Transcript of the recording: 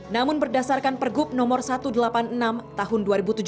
namun berdasarkan pergub nomor satu ratus delapan puluh enam tahun dua ribu tujuh belas